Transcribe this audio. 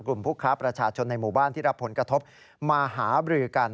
ผู้ค้าประชาชนในหมู่บ้านที่รับผลกระทบมาหาบรือกัน